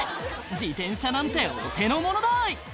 自転車なんてお手のものだい！」